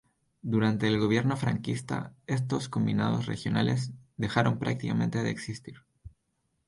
Durante el gobierno franquista, estos combinados regionales dejaron prácticamente de existir.